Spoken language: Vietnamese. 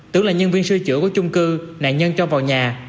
tưởng là nhân viên sư chữa của chung cư nạn nhân cho vào nhà